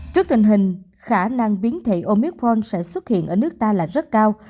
trước tình hình khả năng biến thể omicron sẽ xuất hiện ở nước ta là rất cao